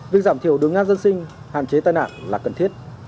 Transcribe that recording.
việc giảm thiểu đường ngang dân sinh hạn chế tai nạn là cần thiết